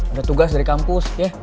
ada tugas dari kampus